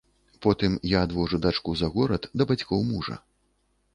Потым я адвожу дачку за горад да бацькоў мужа.